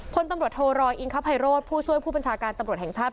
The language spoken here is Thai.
พลตำรวจโทรอยอิงคภัยโรธผู้ช่วยผู้บัญชาการตำรวจแห่งชาติ